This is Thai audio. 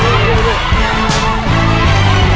เออระวังนะลูก